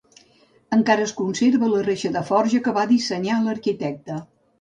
Encara es conserva la reixa de forja que va dissenyar l'arquitecte.